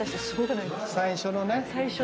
最初のね。